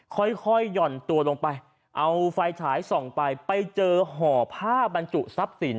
ค่อยหย่อนตัวลงไปเอาไฟฉายส่องไปไปเจอห่อผ้าบรรจุทรัพย์สิน